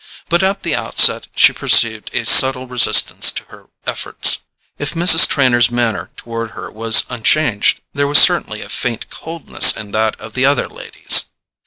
But at the outset she perceived a subtle resistance to her efforts. If Mrs. Trenor's manner toward her was unchanged, there was certainly a faint coldness in that of the other ladies.